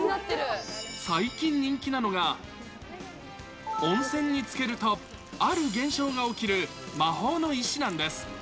最近人気なのが、温泉につけると、ある現象が起きる魔法の石なんです。